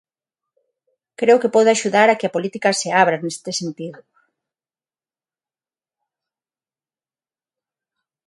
Creo que podo axudar a que a política se abra neste sentido.